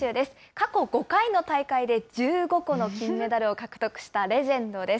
過去５回の大会で１５個の金メダルを獲得したレジェンドです。